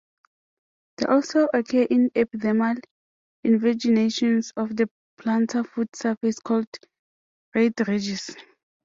They also occur in epidermal invaginations of the plantar foot surface called rete ridges.